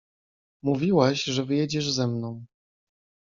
"Mówiłaś, że wyjedziesz ze mną."